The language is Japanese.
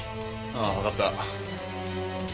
ああわかった。